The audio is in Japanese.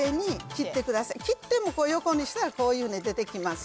切っても横にしたらこういうふうに出てきます